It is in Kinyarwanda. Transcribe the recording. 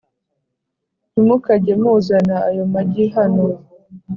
Nti mukajye muzana aya magi hano